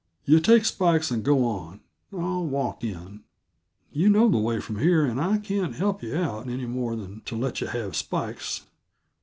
Yuh take Spikes and go on; I'll walk in. Yuh know the way from here, and I can't help yuh out any more than to let yuh have Spikes.